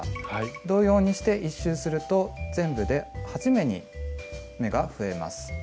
同様にして１周すると全部で８目に目が増えます。